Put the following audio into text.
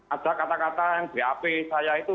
ada kata kata yang bap saya itu